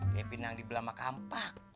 kayak pindang di belama kampak